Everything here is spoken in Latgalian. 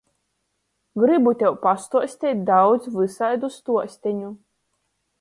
Grybu tev pastuosteit daudz vysaidu stuosteņu!